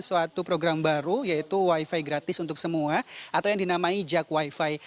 suatu program baru yaitu wifi gratis untuk semua atau yang dinamai jak wifi